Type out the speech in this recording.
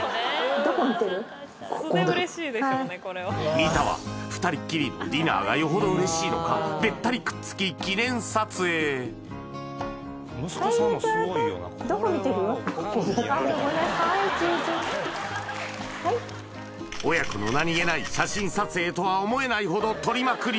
三田は２人きりのディナーがよほど嬉しいのかべったりくっつき記念撮影はいはい親子の何気ない写真撮影とは思えないほど撮りまくり